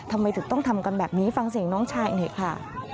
ทำไมถึงต้องทำกันแบบนี้ฟังเสียงน้องชายหน่อยค่ะ